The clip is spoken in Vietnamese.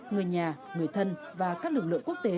người nhà người thân và các lực lượng quốc tế